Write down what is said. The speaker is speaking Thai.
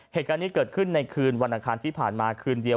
เหตุการณ์นี้เกิดขึ้นในคืนวันอังคารที่ผ่านมาคืนเดียว